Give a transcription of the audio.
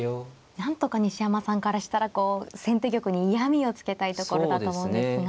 なんとか西山さんからしたら先手玉に嫌みをつけたいところだと思うんですが。